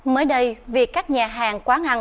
mới đây việc các nhà hàng quán ăn